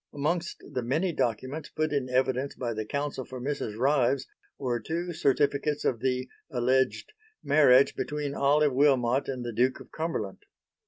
Amongst the many documents put in evidence by the Counsel for Mrs. Ryves were two certificates of the (alleged) marriage between Olive Wilmot and the Duke of Cumberland.